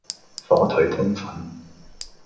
火腿通粉